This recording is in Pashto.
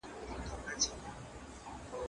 زه اوږده وخت موسيقي اورم وم!؟